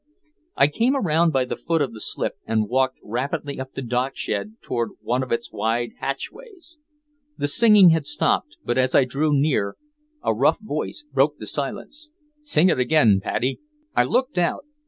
I came around by the foot of the slip and walked rapidly up the dockshed toward one of its wide hatchways. The singing had stopped, but as I drew close a rough voice broke the silence: "Sing it again, Paddy!" I looked out.